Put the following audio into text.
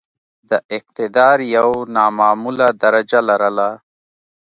د اقتدار یو نامعموله درجه لرله.